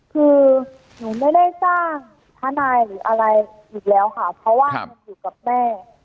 คือหนูไม่ได้จ้างทนายหรืออะไรอีกแล้วค่ะเพราะว่ามันอยู่กับแม่